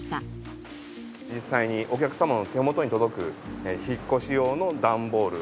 実際にお客様の手元に届く引っ越し用の段ボール